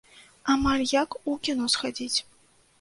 Амаль як у кіно схадзіць.